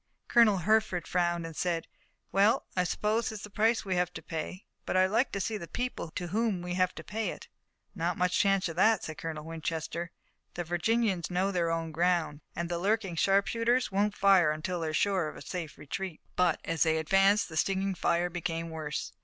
Colonel Hertford frowned and said: "Well, I suppose it's the price we have to pay, but I'd like to see the people to whom we have to pay it." "Not much chance of that," said Colonel Winchester. "The Virginians know their own ground and the lurking sharpshooters won't fire until they're sure of a safe retreat." But as they advanced the stinging fire became worse.